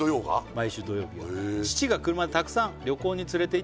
毎週土曜日はへえ